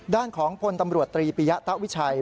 ด้านของพลตำรวจตรีปิยะตะวิชัย